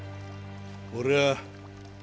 俺は。